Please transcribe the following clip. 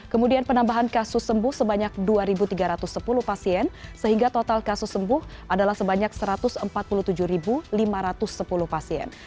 kemudian penambahan kasus sembuh sebanyak dua tiga ratus sepuluh pasien sehingga total kasus sembuh adalah sebanyak satu ratus empat puluh tujuh lima ratus sepuluh pasien